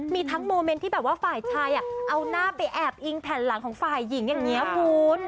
มีทั้งโมเมนต์ที่แบบว่าฝ่ายชายเอาหน้าไปแอบอิงแผ่นหลังของฝ่ายหญิงอย่างนี้คุณ